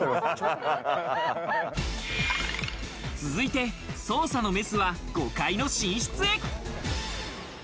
続いて捜査のメスは５階の寝室へ。